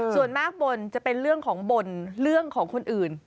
ส่วนมากบนจะเป็นเรื่องของบนเรื่องของคนอื่น